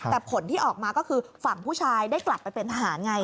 แต่ผลที่ออกมาก็คือฝั่งผู้ชายได้กลับไปเป็นทหารไง